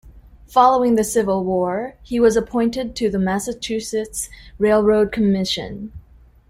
Following the Civil War, he was appointed to the Massachusetts Railroad Commission.